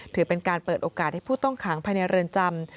ถือเป็นการเปิดโอกาสให้ผู้ต้องขังภายในเรือนจำ